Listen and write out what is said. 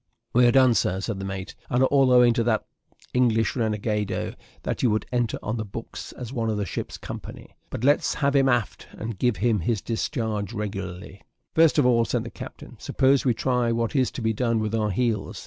"We are done, sir," said the mate; "and all owing to that d d English renegado that you would enter on the books as one of the ship's company. But let's have him aft, and give him his discharge regularly." "First of all," said the captain, "suppose we try what is to be done with our heels.